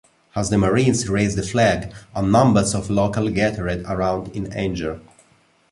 As the Marines raised the flag, a number of locals gathered around in anger.